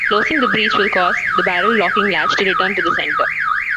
Closing the breech will cause the barrel locking latch to return to center.